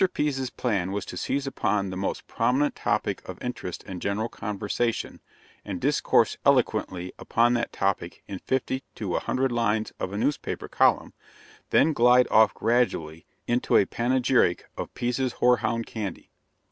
Pease's plan was to seize upon the most prominent topic of interest and general conversation, and discourse eloquently upon that topic in fifty to a hundred lines of a newspaper column, then glide off gradually into a panegyric of "Pease's Hoarhound Candy."